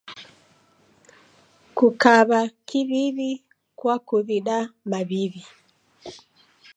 Kukaw'a kiw'iw'i kuakuw'ida maw'iw'i.